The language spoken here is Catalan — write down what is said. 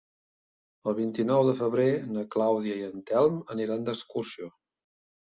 El vint-i-nou de febrer na Clàudia i en Telm aniran d'excursió.